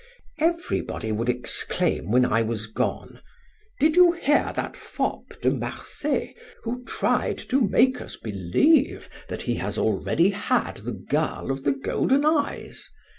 Everybody would exclaim when I was gone: 'Did you hear that fop De Marsay, who tried to make us believe that he has already had the girl of the golden eyes?